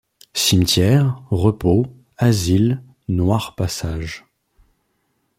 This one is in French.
Cimetières, repos, asiles, noirs passages